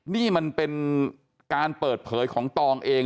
นี่มันเป็นการเปิดเผยของตองเอง